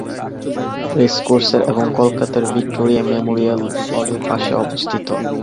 Race কোর্সের এবং কলকাতার ভিক্টোরিয়া মেমোরিয়াল হলের পাশে অবস্থিত।